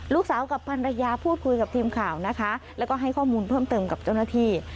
กับภรรยาพูดคุยกับทีมข่าวนะคะแล้วก็ให้ข้อมูลเพิ่มเติมกับเจ้าหน้าที่